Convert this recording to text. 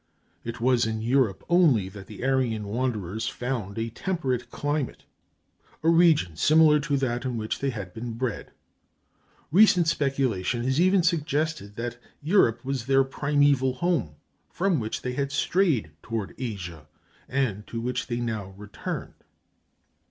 [Footnote 12: See The Battle of Marathon, page 322.] It was in Europe only that the Aryan wanderers found a temperate climate, a region similar to that in which they had been bred. Recent speculation has even suggested that Europe was their primeval home, from which they had strayed toward Asia, and to which they now returned.